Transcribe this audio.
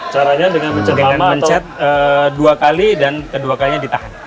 caranya dengan mencet dua kali dan kedua kalinya ditahan